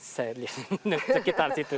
saya lihat sekitar situ